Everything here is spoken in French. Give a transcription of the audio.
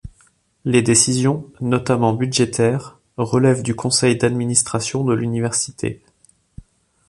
Les décisions, notamment budgétaires, relèvent du conseil d'administration de l'université.